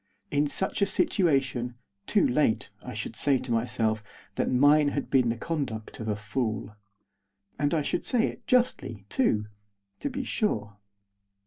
In such a situation, too late, I should say to myself that mine had been the conduct of a fool. And I should say it justly too. To be sure.